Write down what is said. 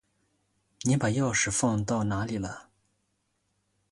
你把钥匙放到哪里了？